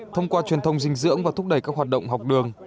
thông qua truyền thông dinh dưỡng và thúc đẩy các hoạt động học đường